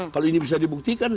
kalau ini bisa dibuktikan